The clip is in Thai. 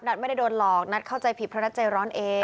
ไม่ได้โดนหลอกนัทเข้าใจผิดเพราะนัทใจร้อนเอง